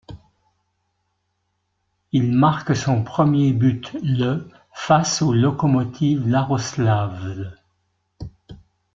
Il marque son premier but le face au Lokomotiv Iaroslavl.